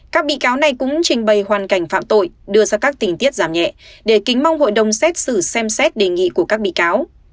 các bị cáo này cũng trình bày hoàn cảnh phạm tội đưa ra các tình tiết giảm nhẹ để kính mong hội đồng xét xử xem xét đề nghị của các bị cáo